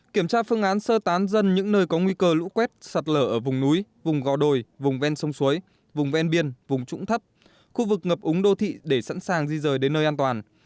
kiểm tra phương án sơ tán dân những nơi có nguy cơ lũ quét sạt lở ở vùng núi vùng gò đồi vùng ven sông suối vùng ven biên vùng trũng thấp khu vực ngập úng đô thị để sẵn sàng di rời đến nơi an toàn